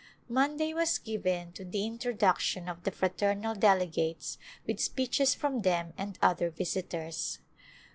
Monday was given to the introduction of the fra ternal delegates with speeches from them and other visitors.